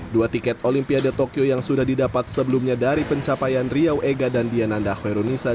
dua tiket olimpiade tokyo yang sudah didapat sebelumnya dari pencapaian riau ega dan diananda khoirunisa